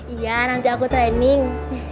iya nanti aku training